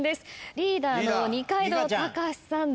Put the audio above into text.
リーダーの二階堂高嗣さん